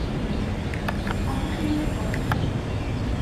Oddach chdi'n 'i nabod o cynt?